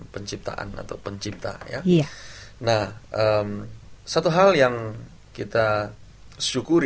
mari berjalan ke sion